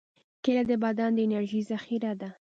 کېله د بدن د انرژۍ ذخیره ده.